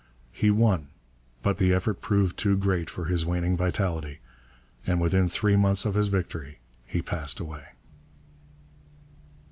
He won, but the effort proved too great for his waning vitality, and within three months of his victory he passed away.